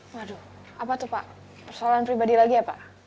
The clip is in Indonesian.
waduh apa tuh pak persoalan pribadi lagi ya pak